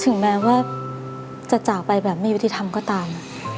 ถึงแม้ว่าจะจากไปแบบไม่ยุติธรรมก็ตาม